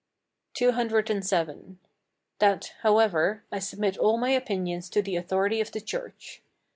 CCVII. That, however, I submit all my opinions to the authority of the church.